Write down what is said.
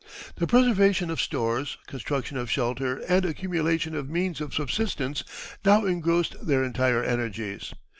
The preservation of stores, construction of shelter, and accumulation of means of subsistence now engrossed their entire energies.